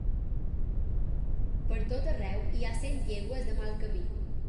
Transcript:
Per tot arreu hi ha cent llegües de mal camí.